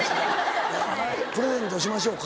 プレゼントしましょうか？